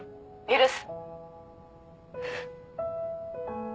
許す。